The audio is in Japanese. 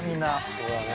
そうだね。